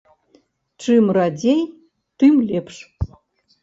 Чым радзей, тым лепш.